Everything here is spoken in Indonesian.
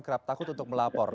kerap takut untuk melapor